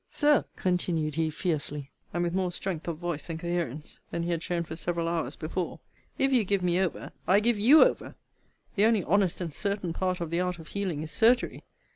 Sir, continued he, fiercely, (and with more strength of voice and coherence, than he had shown for several hours before,) if you give me over, I give you over. The only honest and certain part of the art of healing is surgery.